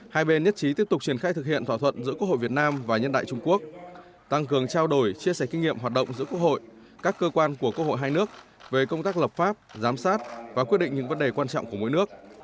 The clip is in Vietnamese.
hai bên nhất trí tiếp tục triển khai thực hiện thỏa thuận giữa quốc hội việt nam và nhân đại trung quốc tăng cường trao đổi chia sẻ kinh nghiệm hoạt động giữa quốc hội các cơ quan của quốc hội hai nước về công tác lập pháp giám sát và quyết định những vấn đề quan trọng của mỗi nước